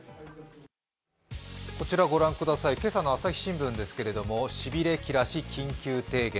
こちら御覧ください、今朝の朝日新聞ですけれども、しびれ切らし、緊急提言。